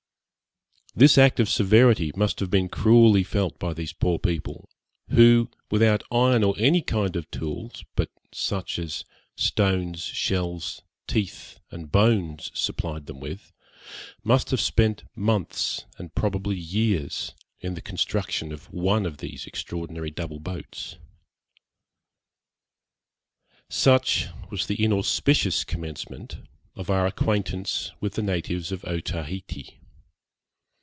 This act of severity must have been cruelly felt by these poor people, who, without iron or any kind of tools, but such as stones, shells, teeth, and bones supplied them with, must have spent months and probably years in the construction of one of these extraordinary double boats. Such was the inauspicious commencement of our acquaintance with the natives of Otaheite.